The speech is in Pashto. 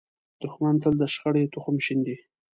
دښمن تل د شخړې تخم شیندي